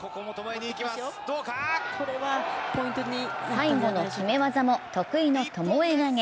最後の決め技も得意のともえ投げ。